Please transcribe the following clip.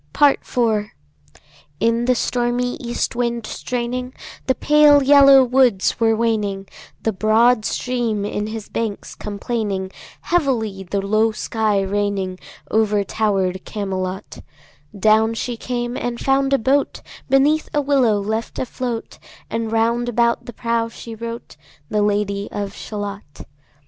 Part IV. In the stormy east wind straining, The pale yellow woods were waning, The broad stream in his banks complaining, Heavily the low sky raining Over tower'd Camelot; Down she came and found a boat Beneath a willow left afloat, And round about the prow she wrote The Lady of Shalott.